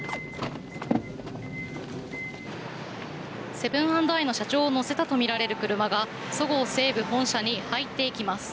セブン＆アイの社長を乗せたとみられる車がそごう・西武本社に入っていきます。